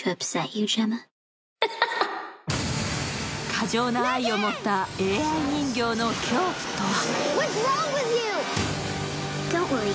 過剰な愛を持ったＡＩ人形の恐怖とは。